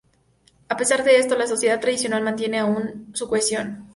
A pesar de esto la sociedad tradicional mantiene aun su cohesión.